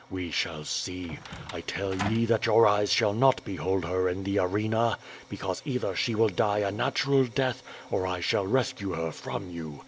We shall see. I tell ye that your eyes shall not behold her in the arena, because either she will die a natural death, or 1 shall rescue her from you.